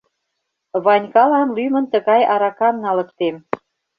Ванькалан лӱмын тыгай аракам налыктем...